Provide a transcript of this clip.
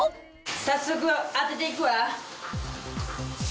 早速当てていくわ。